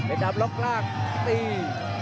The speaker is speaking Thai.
เอ็ดดำล้อมกล้างตี